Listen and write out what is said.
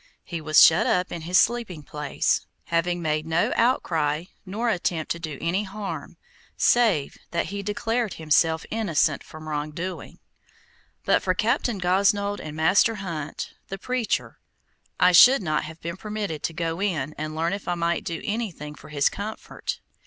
He was shut up in his sleeping place, having made no outcry nor attempt to do any harm, save that he declared himself innocent of wrong doing. But for Captain Gosnold and Master Hunt, the preacher, I should not have been permitted to go in and learn if I might do anything for his comfort.